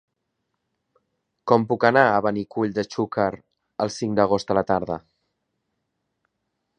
Com puc anar a Benicull de Xúquer el cinc d'agost a la tarda?